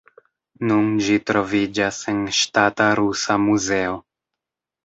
Nun ĝi troviĝas en Ŝtata Rusa Muzeo.